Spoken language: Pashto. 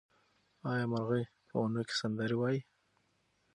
آیا مرغۍ په ونو کې سندرې وايي؟